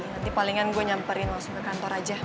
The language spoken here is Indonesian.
nanti palingan gue nyamperin langsung ke kantor aja